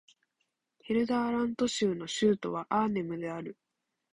ヘルダーラント州の州都はアーネムである